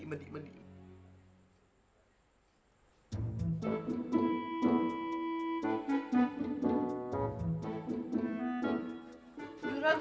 juragan dimakan dong